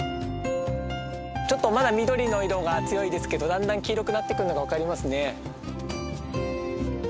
ちょっとまだ緑の色が強いですけどだんだん黄色くなってくるのが分かりますね。